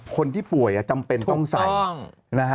คนที่ป่วยจำเป็นต้องใส่นะฮะ